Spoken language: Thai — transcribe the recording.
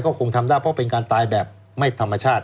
ก็คงทำได้เพราะเป็นการตายแบบไม่ธรรมชาติ